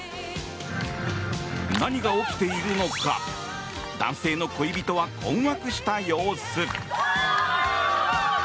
何が起きているのか男性の恋人は困惑した様子。